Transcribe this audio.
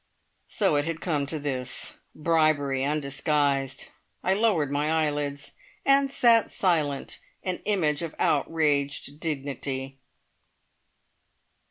So it had come to this. Bribery undisguised! I lowered my eyelids, and sat silent, an image of outraged dignity.